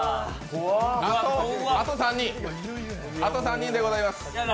あと３人でございます。